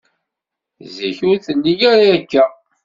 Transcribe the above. Zik, ur telli ara akka.